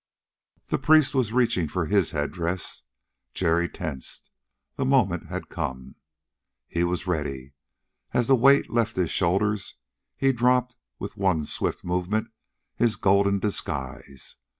The priest was reaching for his head dress, Jerry tensed. The moment had come. He was ready. As the weight left his shoulders, he dropped, with one swift movement, his golden disguise.